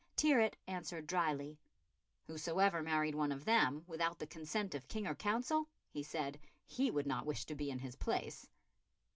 Tyrwhitt answered drily. Whosoever married one of them without the consent of King or Council, he said he would not wish to be in his place.